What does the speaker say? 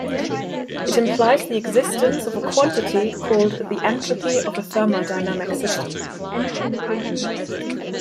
It implies the existence of a quantity called the entropy of a thermodynamic system.